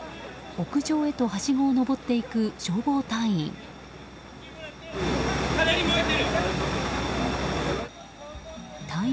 屋上へとはしごを上っていく消防隊員。